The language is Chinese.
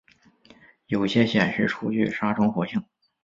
有些显示出具杀虫活性。